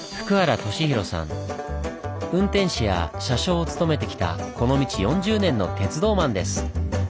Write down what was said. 運転士や車掌を務めてきたこの道４０年の鉄道マンです。